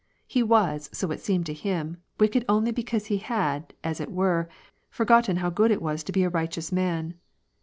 He was, so it seemed to him, wicked only because he had, as it were, forgotten how good it was to be a righteous man.